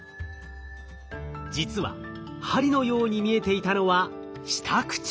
実は針のように見えていたのは下唇。